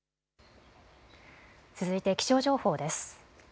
続いて気象情報です。